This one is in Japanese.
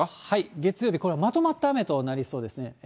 月曜日、これ、まとまった雨となりそうですね。